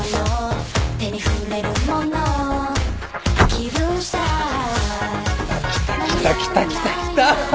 きたきたきたきたきたきた！